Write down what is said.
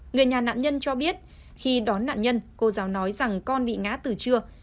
người nhà nạn nhân cho biết khi đón nạn nhân cô giáo nói rằng con bị ngã từ trưa